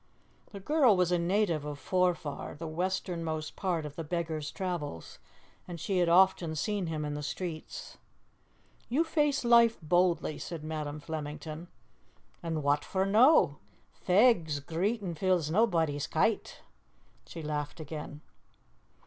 The girl was a native of Forfar, the westernmost point of the beggar's travels, and she had often seen him in the streets. "You face life boldly," said Madam Flemington. "An' what for no? Fegs, greetin' fills naebody's kyte."*[*Stomach.] She laughed again.